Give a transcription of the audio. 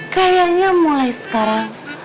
kayaknya mulai sekarang